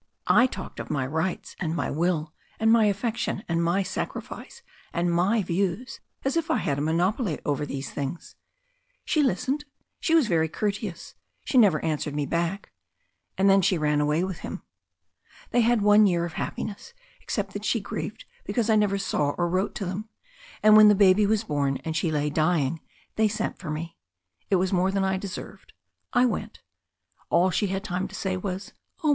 I talked of my rights and my will, and my afiFection and my sacrifice, and my views, as if I had a monopoly over these things. She listened — she was very courteous, she never answered me back — ^and then she ran away with him. They had one year of happiness, except that she grieved because I never saw or wrote to them, and when the baby was born and she lay dying they sent for me. It was more than I deserved. I went. All she had time to say was, *0h.